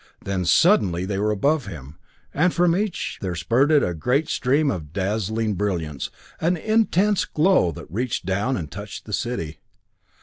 Then suddenly they were above him, and from each there spurted a great stream of dazzling brilliance, an intense glow that reached down, and touched the city.